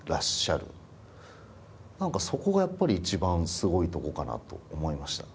そこがやっぱり一番すごいとこかなと思いました。